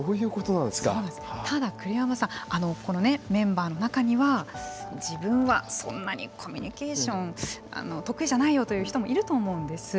ただ、栗山さんメンバーの中には自分はそんなにコミュニケーション得意じゃないよという人もいると思うんです。